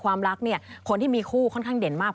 ความรักเนี่ยคนที่มีคู่ค่อนข้างเด่นมาก